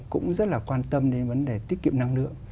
cũng rất là quan tâm đến vấn đề tiết kiệm năng lượng